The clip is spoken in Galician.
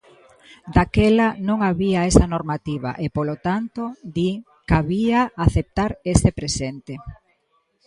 Daquela "non había esa normativa" e polo tanto, di, cabía aceptar ese presente.